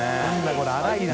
これ荒いな。